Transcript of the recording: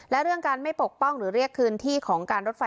และเรื่องการไม่ปกป้องหรือเรียกคืนที่ของการรถไฟ